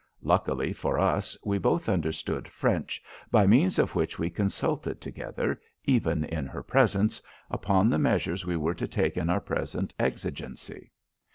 Luckily for us, we both understood French, by means of which we consulted together, even in her presence, upon the measures we were to take in our present exigency.